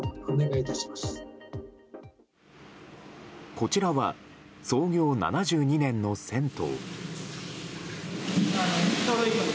こちらは創業７２年の銭湯。